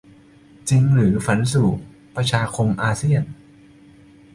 จริงหรือฝันสู่ 'ประชาคมอาเซียน' ?